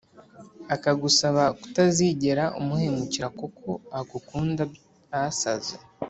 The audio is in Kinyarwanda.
akagusaba kutazigera umuhemukira kuko agukunda byasaze